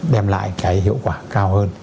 đem lại cái hiệu quả cao hơn